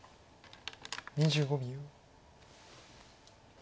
２５秒。